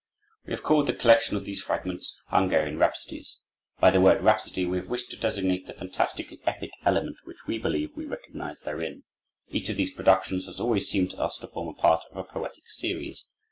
"We have called the collection of these fragments 'Hungarian Rhapsodies.' By the word 'Rhapsody' we have wished to designate the fantastically epic element which we believe we recognize therein. Each of these productions has always seemed to us to form a part of a poetic series.